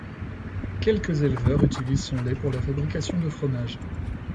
Quelques éleveurs utilisent son lait pour la fabrication de fromages.